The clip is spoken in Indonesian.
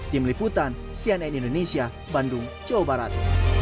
tim liputan cnn indonesia bandung jawa barat